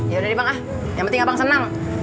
ya udah nih bang ah yang penting abang senang